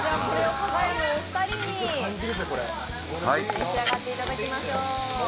かが屋のお二人に召し上がっていただきましょう。